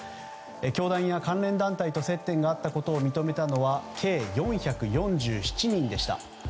教団や関連団体と接点があったことを認めたのは計４４７人でした。